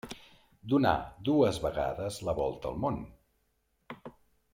Donà dues vegades la volta al món.